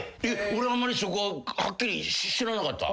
俺あんまりそこははっきり知らなかった。